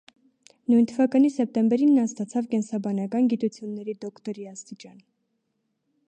Նույն թվականի սեպտեմբերին նա ստացավ կենսաբանական գիտությունների դոկտորի աստիճան։